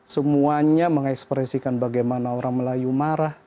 semuanya mengekspresikan bagaimana orang melayu marah